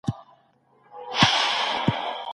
علم ترلاسه کول هیڅکله نه ځنډول کیږي.